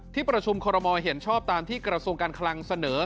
ที่ประชุมคอรมอลเห็นชอบตามที่กระทรวงการคลังเสนอ